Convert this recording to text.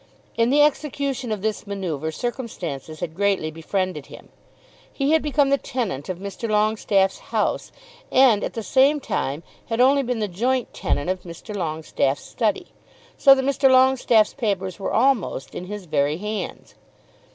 In the execution of this manoeuvre, circumstances had greatly befriended him. He had become the tenant of Mr. Longestaffe's house, and at the same time had only been the joint tenant of Mr. Longestaffe's study, so that Mr. Longestaffe's papers were almost in his very hands.